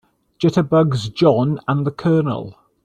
Jitterbugs JOHN and the COLONEL.